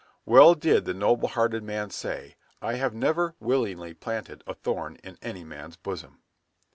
Well did the noble hearted man say, "I have never willingly planted a thorn in any man's bosom."